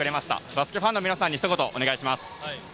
バスケファンの皆さんに一言お願いします。